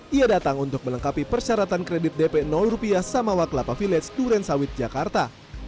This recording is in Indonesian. ia datang untuk melengkapi persyaratan kredit dp rupiah samawa kelapa village duren sawit jakarta